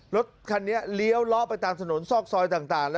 รถคันนี้เลี้ยวล้อไปตามถนนซอกซอยต่าง